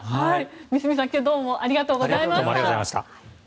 三隅さん、今日はどうもありがとうございました。